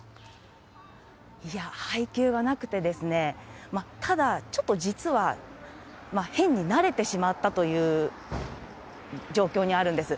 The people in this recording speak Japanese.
いや、配給はなくて、ただちょっと実は、変に慣れてしまったという状況にあるんです。